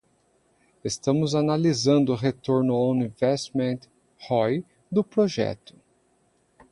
Estamos analisando o retorno on investment (ROI) do projeto.